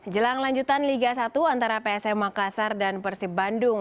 jelang lanjutan liga satu antara psm makassar dan persib bandung